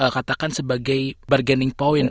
katakan sebagai bargaining point